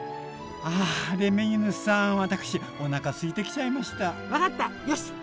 あレミーヌさん私おなかすいてきちゃいました。分かったよしっ！